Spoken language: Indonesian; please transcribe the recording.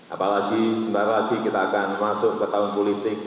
apalagi sebentar lagi kita akan masuk ke tahun politik